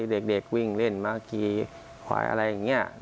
เด็กวิ่งเล่นมาขี่ควายอะไรอย่างนี้